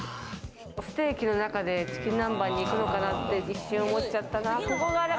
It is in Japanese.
ステーキの中でチキン南蛮に行くのかな？って一瞬思っちゃった。